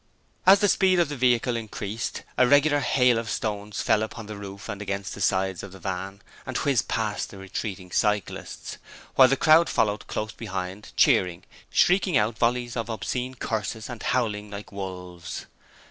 As the speed of the vehicle increased, a regular hail of stones fell upon the roof and against the sides of the van and whizzed past the retreating cyclists, while the crowd followed close behind, cheering, shrieking out volleys of obscene curses, and howling like wolves.